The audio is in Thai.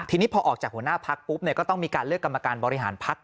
ทีนี้พอออกจากหัวหน้าพักปุ๊บก็ต้องมีการเลือกกรรมการบริหารพัก